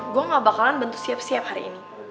gue gak bakalan bentuk siap siap hari ini